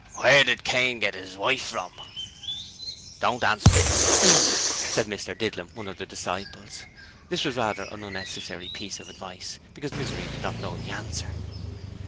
'Where did Cain get 'is wife from?' 'Don't answer 'im, Brother 'Unter,' said Mr Didlum, one of the disciples. This was rather an unnecessary piece of advice, because Misery did not know the answer.